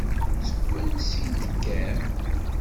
Seg wansi i d-tekkam?